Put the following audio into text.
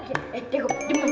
eh teko dimana